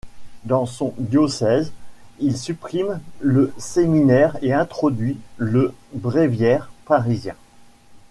Dans son diocèse, il supprime le séminaire et introduit le Bréviaire parisien.